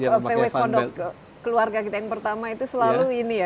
vw pondok keluarga kita yang pertama itu selalu ini ya